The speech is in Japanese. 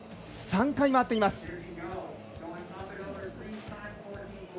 ３回、回っています。